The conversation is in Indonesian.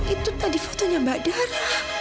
itu tadi fotonya mbak dara